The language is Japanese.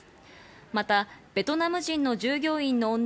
またベトナム人の従業員の女